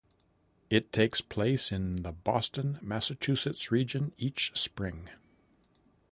It takes place in the Boston, Massachusetts region each spring.